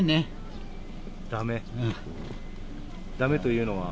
だめ？だめというのは？